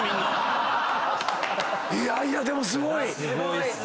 いやいやでもすごい！